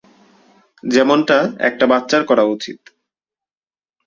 যেমনটা একটা বাচ্চার করা উচিত।